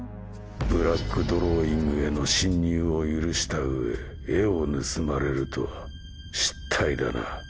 ブラックドローイングへの侵入を許した上絵を盗まれるとは失態だな。